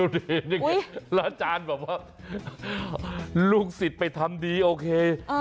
แล้วอาจารย์บอกว่าลูกศิษย์ไปทำดีโอเค